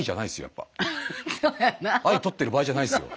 愛とってる場合じゃないですよ。